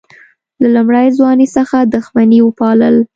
له لومړۍ ځوانۍ څخه دښمني وپالل.